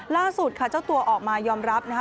ล่าสุดค่ะเจ้าตัวออกมายอมรับนะคะ